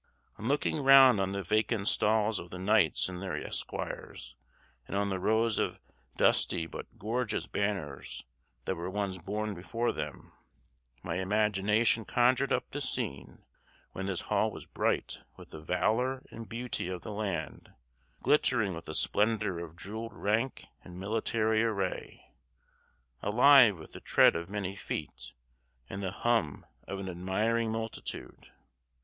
On looking round on the vacant stalls of the knights and their esquires, and on the rows of dusty but gorgeous banners that were once borne before them, my imagination conjured up the scene when this hall was bright with the valor and beauty of the land, glittering with the splendor of jewelled rank and military array, alive with the tread of many feet and the hum of an admiring multitude.